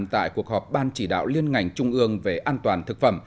tại cuộc họp ban chỉ đạo liên ngành trung ương về an toàn thực phẩm